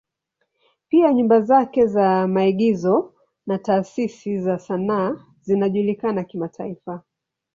Pia nyumba zake za maigizo na taasisi za sanaa zinajulikana kimataifa.